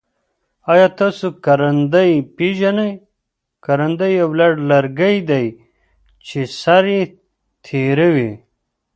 آیا تاسو کرندی پیژنی؟ کرندی یو وړ لرګی دی چه سر یي تیره وي.